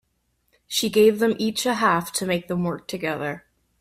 She gave them each a half to make them work together.